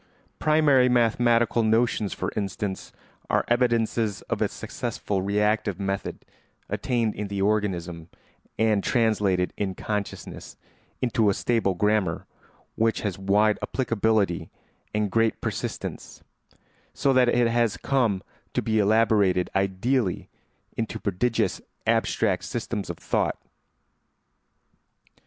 Primary mathematical notions, for instance, are evidences of a successful reactive method attained in the organism and translated in consciousness into a stable grammar which has wide applicability and great persistence, so that it has come to be elaborated ideally into prodigious abstract systems of thought.